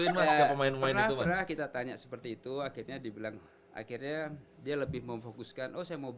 enggak kita tanya seperti itu akhirnya dibilang akhirnya dia lebih memfokuskan oh saya mau berusaha